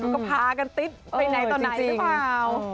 ก็พากันติ๊ดไปไหนต่อไหนหรือเปล่า